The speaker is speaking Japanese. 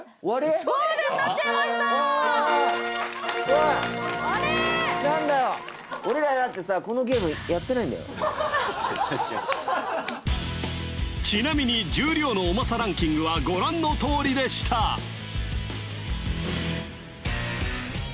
確かに確かにちなみに重量の重さランキングはご覧のとおりでしたお！